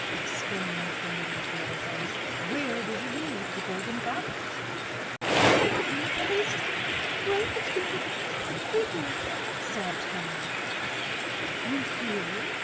exclaimed the leader of their visitors. "Where did you leave the Golden Goblet?" "On the pedestal, right between the feet of the figure," sobbed Helen. "You hear?"